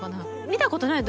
見たことない？